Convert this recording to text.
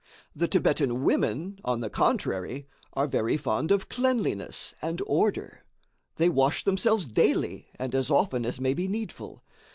The Thibetan women, on the contrary, are very fond of cleanliness and order. They wash themselves daily and as often as may be needful.